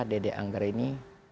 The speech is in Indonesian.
dede anggar ini